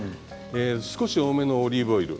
少し多めのオリーブオイル。